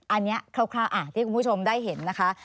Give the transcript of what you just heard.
อันนี้คร่าวที่คุณผู้ชมได้เห็นนะคะ